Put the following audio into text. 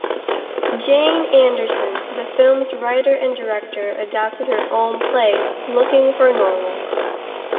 Jane Anderson, the film's writer and director, adapted her own play, "Looking for Normal".